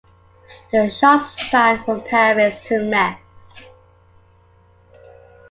The shots span from Paris to Metz.